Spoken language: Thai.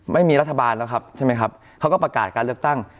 ไม่มีรัฐบาลแล้วเขาก็ประกาศการเลือกตั้ง